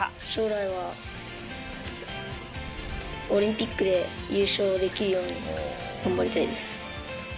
将来はオリンピックで優勝できるように頑張りたいです。